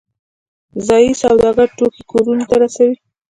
ځایی سوداګر توکي کورونو ته رسوي